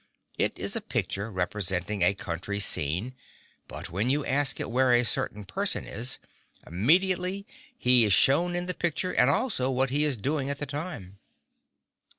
It is a picture representing a country scene, but when you ask it where a certain person is, immediately he is shown in the picture and also what he is doing at the time.